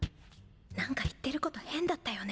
なんか言ってること変だったよね？